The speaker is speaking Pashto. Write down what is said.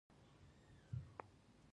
د کونړ ګلپي څنګه ده؟